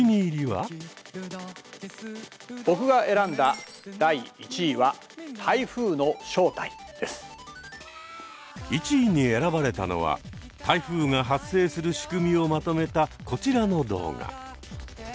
僕が選んだ第１位は１位に選ばれたのは台風が発生する仕組みをまとめたこちらの動画。